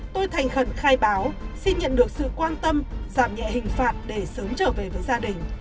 tôi thành khẩn khai báo xin nhận được sự quan tâm giảm nhẹ hình phạt để sớm trở về với gia đình